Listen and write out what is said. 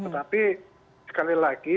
tapi sekali lagi